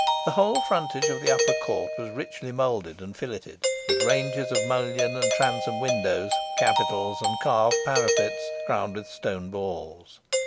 The whole frontage of the upper court was richly moulded and filleted, with ranges of mullion and transom windows, capitals, and carved parapets crowned with stone balls.